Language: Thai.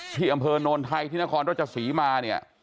ที่อำเภอโนนไทยที่นครต้นเจ้าศรีมา